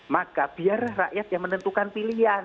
maka biar rakyat yang menentukan pilihan